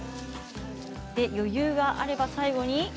余裕があれば最後に。